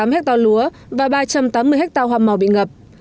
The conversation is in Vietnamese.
bảy trăm một mươi tám ha lúa và ba trăm tám mươi ha hoa màu bị ngập